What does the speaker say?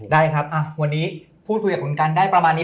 ได้ครับวันนี้พูดคุยกับคุณกันได้ประมาณนี้